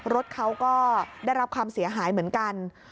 รถเขาก็ได้รับความเสียหายเหมือนกัน